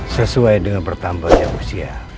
sesuai dengan bertambahnya usia